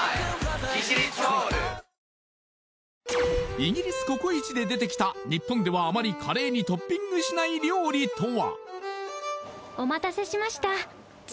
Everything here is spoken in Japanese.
イギリスココイチで出てきた日本ではあまりカレーにトッピングしない料理とは？